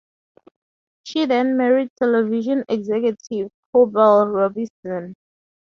She then married television executive Hubbell Robinson.